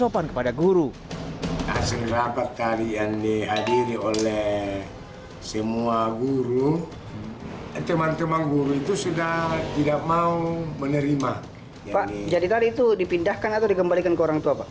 pak jadi tadi itu dipindahkan atau dikembalikan ke orang tua pak